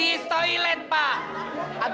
ini adalah kemasan